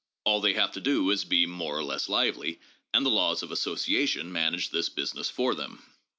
All they have to do is to be more or less lively, and the laws of association manage this business for them.